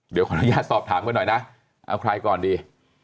เดี๋ยวขออนุญาตสอบถามกันหน่อยนะเอาใครก่อนดี